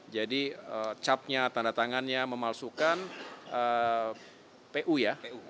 jadi capnya tanda tangannya memalsukan pu ya